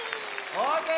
オーケー！